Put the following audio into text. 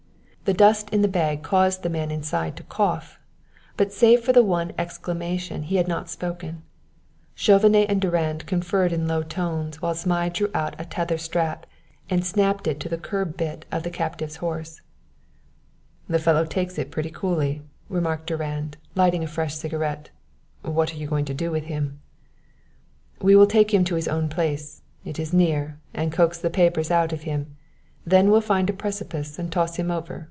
The dust in the bag caused the man inside to cough, but save for the one exclamation he had not spoken. Chauvenet and Durand conferred in low tones while Zmai drew out a tether strap and snapped it to the curb bit of the captive's horse. "The fellow takes it pretty coolly," remarked Durand, lighting a fresh cigarette. "What are you going to do with him ?" "We will take him to his own place it is near and coax the papers out of him; then we'll find a precipice and toss him over.